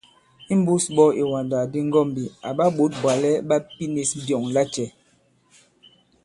Imbūs ɓɔ̄ ìwàndàkdi ŋgɔ̄mbī, àɓa ɓǒt bwàlɛ ɓa pinīs byɔ̂ŋ lacɛ̄ ?